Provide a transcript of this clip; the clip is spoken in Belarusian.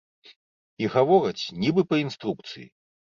І гавораць нібы па інструкцыі.